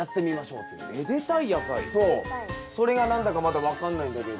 それが何だかまだ分かんないんだけど。